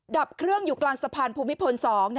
ดับเครื่องอยู่กลางสะพานภูมิพล๒